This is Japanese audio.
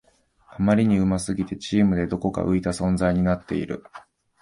あまりに上手すぎてチームでどこか浮いた存在になっている